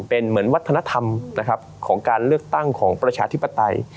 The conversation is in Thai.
เป็นเหมือนวัฒนธรรมนะครับของการเลือกตั้งของประชาธิปไตย